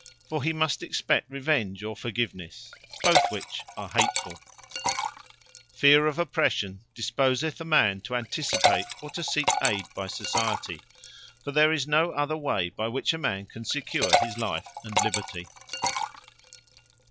For he must expect revenge, or forgivenesse; both which are hatefull. Promptnesse To Hurt, From Fear Feare of oppression, disposeth a man to anticipate, or to seek ayd by society: for there is no other way by which a man can secure his life and liberty.